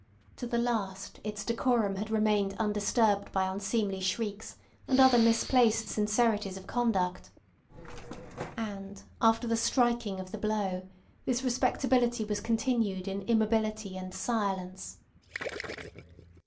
To the last its decorum had remained undisturbed by unseemly shrieks and other misplaced sincerities of conduct. And after the striking of the blow, this respectability was continued in immobility and silence.